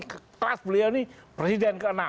keras beliau ini presiden ke enam